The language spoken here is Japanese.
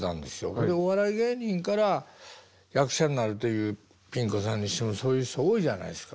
それでお笑い芸人から役者になるというピン子さんにしてもそういう人多いじゃないですか。